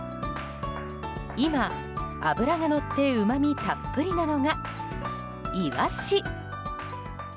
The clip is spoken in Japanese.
今、脂がのってうまみたっぷりなのがイワシ。